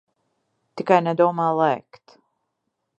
Tikai nedomā lēkt.